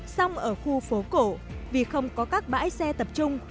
xong ở khu phố cổ vì không có các bãi xe tập trung